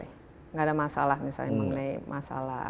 tidak ada masalah misalnya mengenai masalah